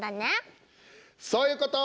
そういうこと！